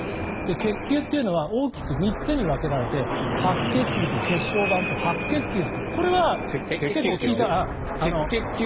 血球というのは大きく３つに分けられて白血球と血小板と赤血球と。